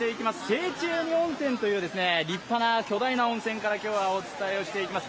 セーチェーニ温泉という立派な巨大な温泉から今日はお伝えしていきます。